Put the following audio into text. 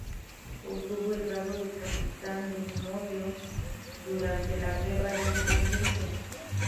Obtuvo el grado de Capitán de Navío durante la guerra de Independencia.